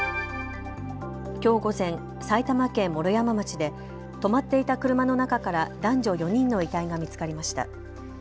きょう午前、埼玉県毛呂山町で止まっていた車の中から男女４人の遺体が見つかりました。